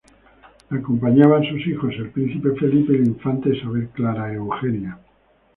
Le acompañaban sus hijos el príncipe Felipe y la infanta Isabel Clara Eugenia.